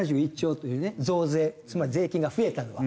増税つまり税金が増えたのは。